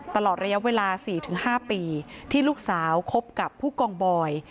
ตลอดระยะเวลา๔๕ปีที่ลูกสาวคบกับผู้กองบอย